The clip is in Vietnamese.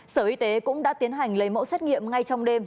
sở y tế cũng đã tiến hành lấy mẫu xét nghiệm ngay trong đêm